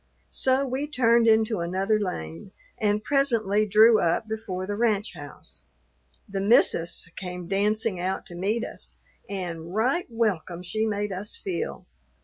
So we turned into another lane, and presently drew up before the ranch house. "The missus" came dancing out to meet us, and right welcome she made us feel. Mr.